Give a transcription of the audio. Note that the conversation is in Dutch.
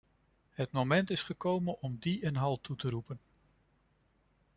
Het moment is gekomen om die een halt toe te roepen!